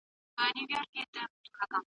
نفاق ټولنه کمزورې کوي.